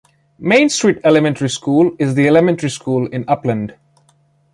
Main Street Elementary School is the elementary school in Upland.